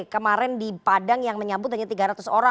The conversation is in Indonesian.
kemarin di padang yang menyambut hanya tiga ratus orang